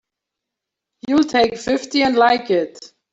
You'll take fifty and like it!